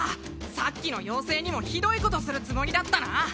さっきの妖精にもひどいことするつもりだったな！